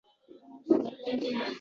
To’la ichib